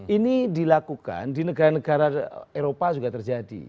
ini dilakukan di negara negara eropa juga terjadi